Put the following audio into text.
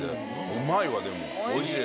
うまいわでもおいしい。